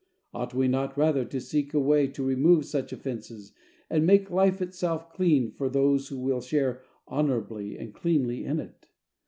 Ought we not, rather, to seek a way to remove such offenses and make life itself clean for those who will share honorably and cleanly in it?